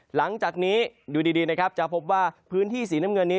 หลังจากนี้ดูดีนะครับจะพบว่าพื้นที่สีน้ำเงินนี้